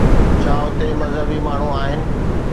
ڇا اتي مذهبي ماڻهو آهن؟